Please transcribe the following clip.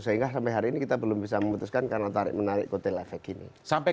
sehingga sampai hari ini kita belum bisa memutuskan karena menarik kotel efek ini